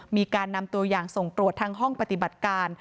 มีการนำตัวอย่างส่งตรวจทางห้องปฏิบัติการ